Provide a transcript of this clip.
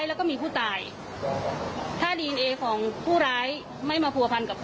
ถ้าเกี่ยวกับเรื่องคดีมากนะคะ